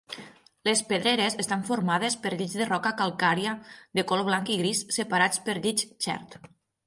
Les pedreres estan formades per llits de roca calcària de color blanc i gris separats per llits chert.